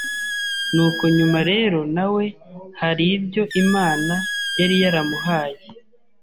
Nuko nyuma rero na we hari ibyo Imana yari yaramuhaye